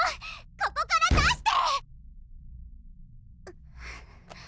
ここから出して！